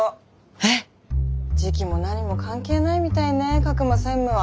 えっ？時期も何も関係ないみたいね格馬専務は。